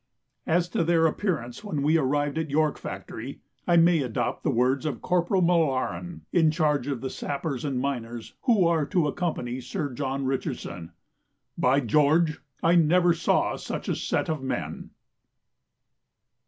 As to their appearance when we arrived at York Factory, I may adopt the words of Corporal M'Laren in charge of the Sappers and Miners who are to accompany Sir John Richardson, "By George, I never saw such a set of men."